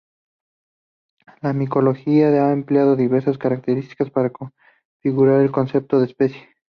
La micología ha empleado diversas características para configurar el concepto de especie.